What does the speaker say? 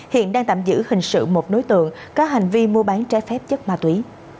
hiện đang tạm giữ hình sự một đối tượng có hành vi mua bán trái phép chất ma túy